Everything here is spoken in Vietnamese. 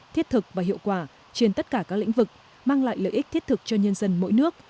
thiết thực và hiệu quả trên tất cả các lĩnh vực mang lại lợi ích thiết thực cho nhân dân mỗi nước